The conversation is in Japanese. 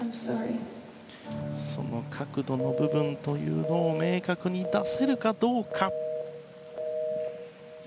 その角度の部分というのを明確に出せるかどうか。